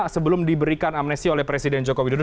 sebelum diberikan amnesti oleh presiden joko widodo